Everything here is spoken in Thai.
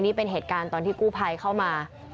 นี่เป็นเหตุการณ์ตอนที่กู้ภัยเข้ามา